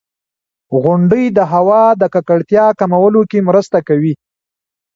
• غونډۍ د هوا د ککړتیا کمولو کې مرسته کوي.